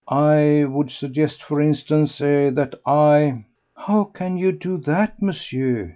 ... I would suggest, for instance ... er ... that I ..." "How can you do that, Monsieur?"